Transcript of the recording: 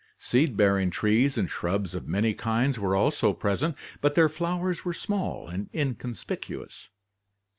Seed bearing trees and shrubs of many kinds were also present but their flowers were small and inconspicuous.